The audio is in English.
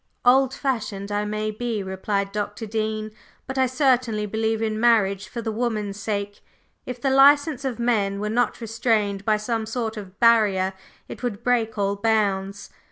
"Old fashioned I may be," replied Dr. Dean; "but I certainly believe in marriage for the woman's sake. If the license of men were not restrained by some sort of barrier it would break all bounds.